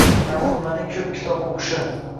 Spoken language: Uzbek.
Maʼsumaning koʼp kitob oʼqishi